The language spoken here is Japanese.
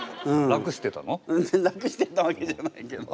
楽してたわけじゃないけど。